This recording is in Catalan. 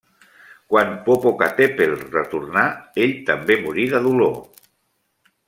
Quan Popocatépetl retornà, ell també morí de dolor.